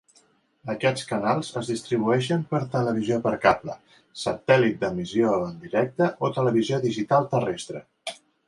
Aquests canals es distribueixen per televisió per cable, satèl·lit d'emissió en directe o televisió digital terrestre.